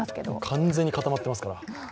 完全に固まってますから。